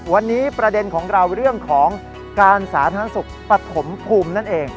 วันนี้ประเด็นของเราเรื่องของการสาธารณสุขปฐมภูมินั่นเอง